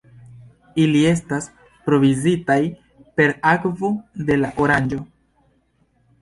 Ili estas provizitaj per akvo de la Oranĝo.